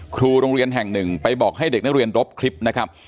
ครูโรงเรียนแห่งหนึ่งไปบอกให้เด็กนักเรียนรบคลิปนะครับ